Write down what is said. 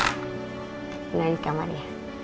ketinggalan di kamar ya